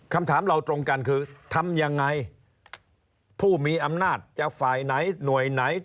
คำถามเราตรงกันคือทำยังไงผู้มีอำนาจจะฝ่ายไหนหน่วยไหน